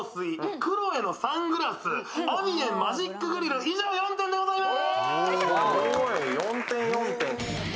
クロエのサングラス、アビエンマジックグリル以上４点でございます。